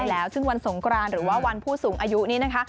แล้วซึ่งวันสงกรานหรือว่าวันผู้สูงอายุนี้นะคะ